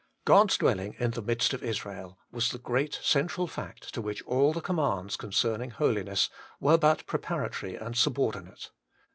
1. God's dwelling in the midst of Israel was the great central fact to which a/I the commands concerning holiness were but preparatory and subordinate.